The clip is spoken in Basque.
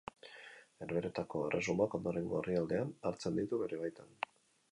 Herbehereetako Erresumak ondorengo herrialdean hartzen ditu bere baitan.